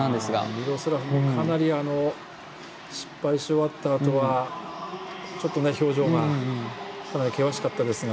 ミロスラフもかなり失敗し終わったあとは表情が険しかったですが。